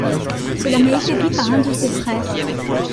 Cela m'a été dit par un de ses frères.